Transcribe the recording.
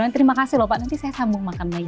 terima kasih loh pak nanti saya sambung makan lagi